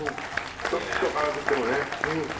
ちょっと辛くしてもね。